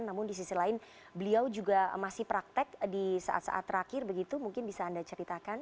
namun di sisi lain beliau juga masih praktek di saat saat terakhir begitu mungkin bisa anda ceritakan